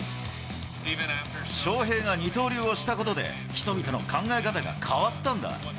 ショウヘイが二刀流をしたことで、人々の考え方が変わったんだ。